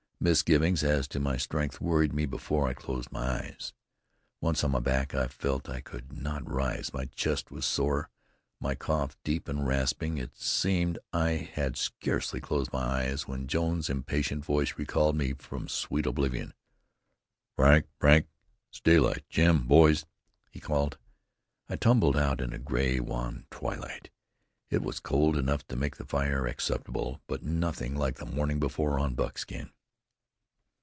Misgivings as to my strength worried me before I closed my eyes. Once on my back, I felt I could not rise; my chest was sore; my cough deep and rasping. It seemed I had scarcely closed my eyes when Jones's impatient voice recalled me from sweet oblivion. "Frank, Frank, it's daylight. Jim boys!" he called. I tumbled out in a gray, wan twilight. It was cold enough to make the fire acceptable, but nothing like the morning before on Buckskin.